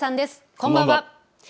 こんばんは。